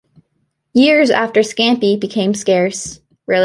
Years after scampi became scarce.